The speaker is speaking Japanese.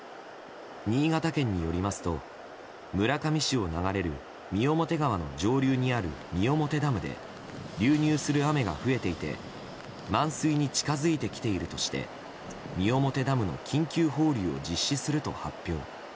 新潟県によりますと村上市を流れる三面川の上流にある三面ダムで流入する雨が増えていて満水に近づいてきているとして三面ダムの緊急放流を実施すると発表。